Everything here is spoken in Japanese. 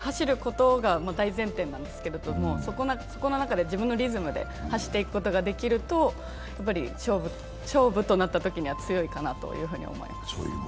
リズム感も重要であったりするのでハードル間をしっかり走ることが大前提なんですけどそこの中で自分のリズムで走っていくことができると勝負となったときには強いかなと思います。